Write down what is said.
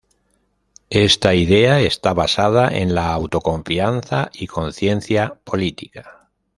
Esta idea estaba basada en la auto-confianza y conciencia política.